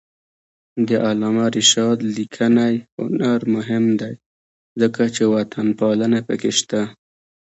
د علامه رشاد لیکنی هنر مهم دی ځکه چې وطنپالنه پکې شته.